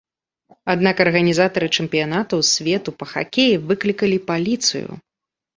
Аднак арганізатары чэмпіянату свету па хакеі выклікалі паліцыю.